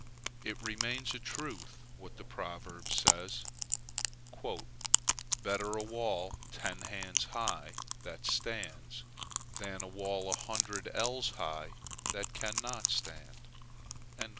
It remains a truth, what the proverb says, "Better a wall ten hands high that stands, than a wall a hundred ells high that cannot stand."